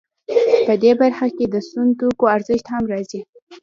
په دې برخه کې د سون توکو ارزښت هم راځي